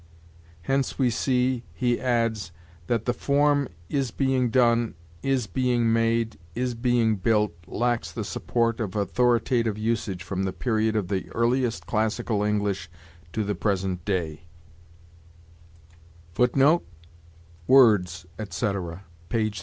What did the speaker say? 'Hence we see,' he adds, 'that the form is being done, is being made, is being built, lacks the support of authoritative usage from the period of the earliest classical English to the present day.'